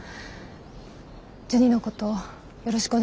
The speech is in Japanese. ジュニのことよろしくお願いします。